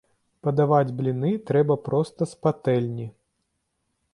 Падаваць бліны трэба проста з патэльні.